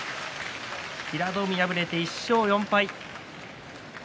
平戸海、敗れて１勝４敗。